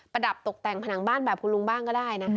ระดับตกแต่งผนังบ้านแบบคุณลุงบ้างก็ได้นะ